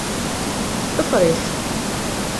Ḍfer-it.